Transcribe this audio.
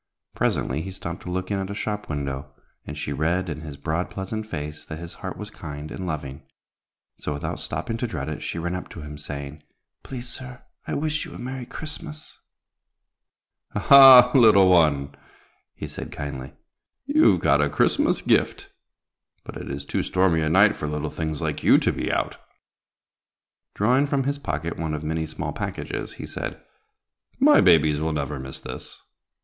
Presently he stopped to look in at a shop window, and she read in his broad, pleasant face that his heart was kind and loving. So, without stopping to dread it, she ran up to him, saying, "Please, sir, I wish you a merry Christmas." "Ah, ha! little one," he said kindly, "you've caught a Christmas gift, but it is too stormy a night for little things like you to be out." Drawing from his pocket one of many small packages, he said, "My babies will never miss this.